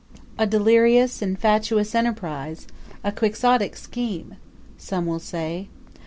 "A delirious and fatuous enterprise, a Quixotic scheme!" some will say.